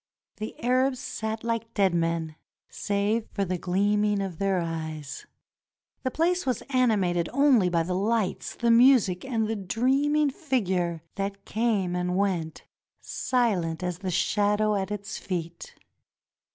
The Arabs sat like dead men save for the gleaming of their eyes. The place was animated only by the lights, the music, and the dreaming figure that came and went silent as the shadow at its feet.